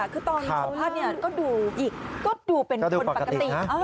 คือตอนนี้สัมภาษณ์ก็ดูเป็นคนปกติ